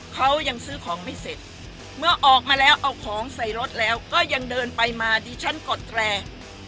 เขายังซื้อของไม่เสร็จเมื่อออกมาแล้วเอาของใส่รถแล้วก็ยังเดินไปมาดิฉันกดแตร